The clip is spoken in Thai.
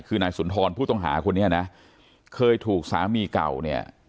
คือนายสุนทรผู้ต้องหาคนนี้นะเคยถูกสามีเก่าเนี่ย